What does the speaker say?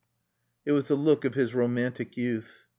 It was the look of his romantic youth.